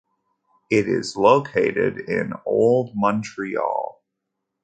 It is located in Old Montreal.